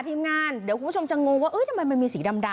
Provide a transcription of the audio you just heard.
ทีมงานเดี๋ยวคุณผู้ชมจะงงว่าทำไมมันมีสีดำ